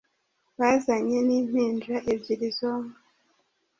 bazanye n’impinja ebyili zonka